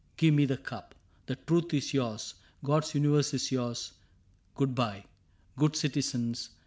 . Give me the cup ! The truth is yours, God's universe is yours ... Good by ... good citizens